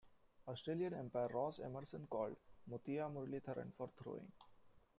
Australian Umpire Ross Emerson called Muttiah Muralitharan for throwing.